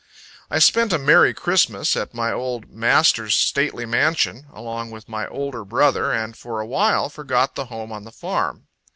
I spent a merry Christmas at my old master's stately mansion, along with my older brother, and for a while forgot the home on the farm.